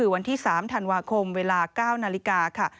วันที่๓ธันวาคมเวลา๙นาฬิกาค่ะ